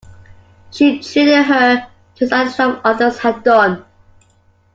She treated her just as the others had done.